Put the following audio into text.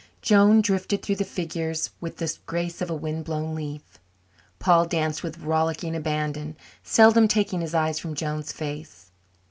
Joan drifted through the figures with the grace of a wind blown leaf. Paul danced with rollicking abandon, seldom taking his eyes from Joan's face.